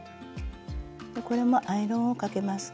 これもアイロンをかけます。